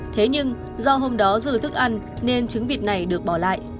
thế nhưng do hôm đó dư thức ăn nên trứng vịt này được bỏ lại